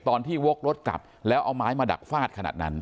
ตอนที่วกรถกลับแล้วเอาไม้มาดักฟาดขนาดนั้น